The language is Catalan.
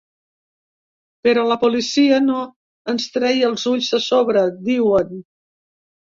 Però la policia no ens treia els ulls de sobre, diuen.